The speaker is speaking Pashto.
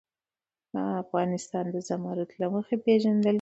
افغانستان د زمرد له مخې پېژندل کېږي.